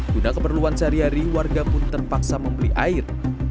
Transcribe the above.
guna keperluan sehari hari warga pun terpaksa membeli air